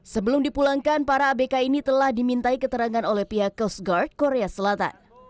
sebelum dipulangkan para abk ini telah dimintai keterangan oleh pihak coast guard korea selatan